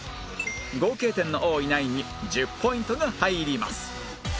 合計点の多いナインに１０ポイントが入ります